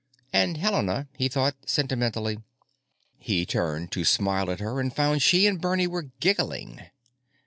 And Helena, he thought sentimentally.... He turned to smile at her and found she and Bernie were giggling.